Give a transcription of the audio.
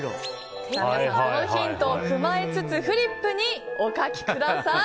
このヒントを踏まえつつフリップにお書きください。